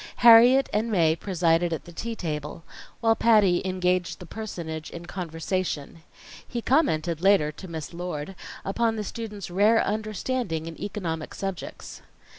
Harriet and Mae presided at the tea table, while Patty engaged the personage in conversation. He commented later, to Miss Lord, upon the students' rare understanding in economic subjects.